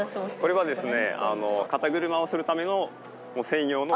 これはですね。